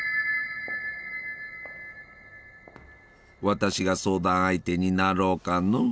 私が相談相手になろうかのう。